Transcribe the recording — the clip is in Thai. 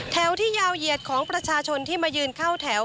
แถวที่ยาวเหยียดของประชาชนที่มายืนเข้าแถว